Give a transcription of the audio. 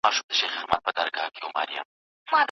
محصل د نوي مقالي لپاره سرچیني لټوي.